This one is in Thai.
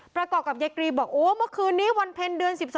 ประกอบกับยายกรีบอกโอ้เมื่อคืนนี้วันเพ็ญเดือน๑๒